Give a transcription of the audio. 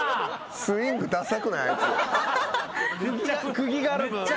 釘がある分。